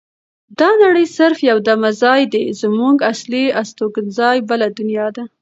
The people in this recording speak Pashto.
دا نړۍ صرف یو دمه ځای دی زمونږ اصلي استوګنځای بله دنیا ده.